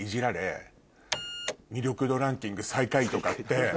魅力度ランキング最下位とかって。